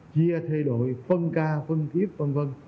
chia thay đổi phân ca phân kiếp phân vân